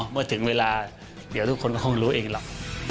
เมื่อถึงเวลาเดี๋ยวทุกคนก็คงรู้เองหรอก